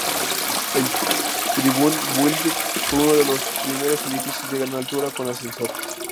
El Tribune Building fue uno de los primeros edificios de gran altura con ascensor.